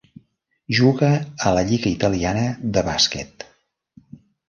Juga a la lliga italiana de bàsquet.